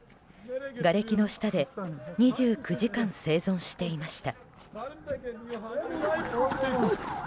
がれきの下で２９時間生存していました。